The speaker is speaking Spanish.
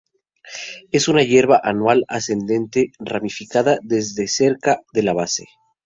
Es una hierba anual, ascendente, ramificada desde cerca de la base.